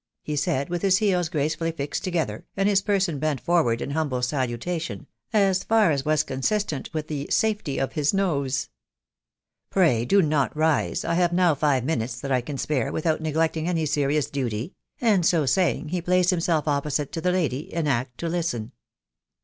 he said, with his heels gracefully fixed together, and his person bent forward in humble salutation, as far as was consistent with the safety of his nose ••••" Pray do not rise. I hare now five , minutes that I can spare, without neglecting any serious duty;" and so saying, he placed himself opposite to the lady in act to listen.